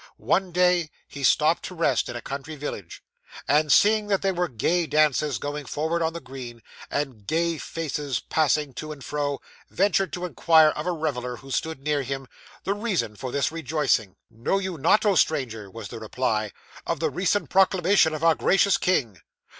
One day he stopped to rest in a country village; and seeing that there were gay dances going forward on the green, and gay faces passing to and fro, ventured to inquire of a reveller who stood near him, the reason for this rejoicing. '"Know you not, O stranger," was the reply, "of the recent proclamation of our gracious king?"